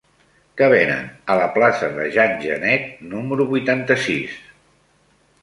Què venen a la plaça de Jean Genet número vuitanta-sis?